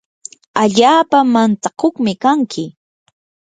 allaapa mantsakuqmi kanki.